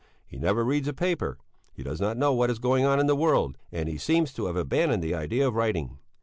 He never reads a paper; he does not know what is going on in the world, and he seems to have abandoned the idea of writing.